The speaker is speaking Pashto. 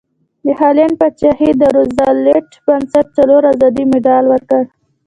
د هالنډ پادشاهي د روزولټ بنسټ څلور ازادۍ مډال ورکړ.